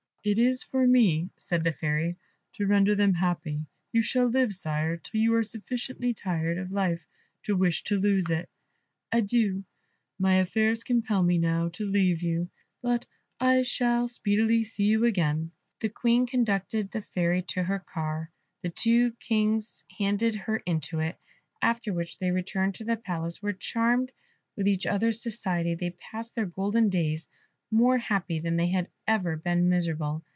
"It is for me," said the Fairy, "to render them happy; you shall live, Sire, till you are sufficiently tired of life to wish to lose it. Adieu; my affairs compel me now to leave you, but I shall speedily see you again." The Queen conducted the Fairy to her car, the two Kings handed her into it, after which they returned to the Palace, where, charmed with each other's society, they passed their golden days, more happy than they had ever been miserable.